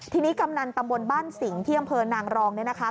ทีนี้กำนันตำบลบ้านสิงห์ที่อำเภอนางรองเนี่ยนะคะ